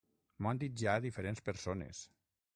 M'ho han dit ja diferents persones.